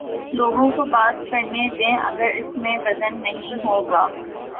لوگوں کو بات کر نے دیں اگر اس میں وزن نہیں ہو گا۔